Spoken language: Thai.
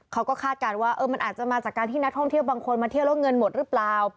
คาดการณ์ว่ามันอาจจะมาจากการที่นักท่องเที่ยวบางคนมาเที่ยวแล้วเงินหมดหรือเปล่า